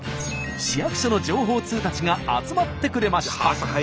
市役所の情報通たちが集まってくれました。